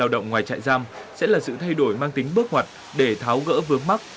lào động ngoài chạy giam sẽ là sự thay đổi mang tính bước hoạt để tháo gỡ vướng mắc